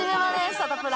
サタプラ。